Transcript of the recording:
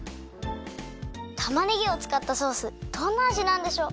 たまねぎをつかったソースどんなあじなんでしょう？